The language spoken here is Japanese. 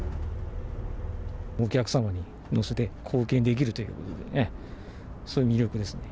お客様を乗せて貢献できるということで、そういう魅力ですね。